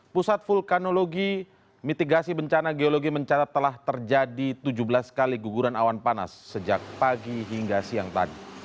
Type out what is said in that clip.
pusat vulkanologi mitigasi bencana geologi mencatat telah terjadi tujuh belas kali guguran awan panas sejak pagi hingga siang tadi